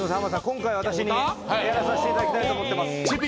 今回は私にやらさしていただきたいと思ってます。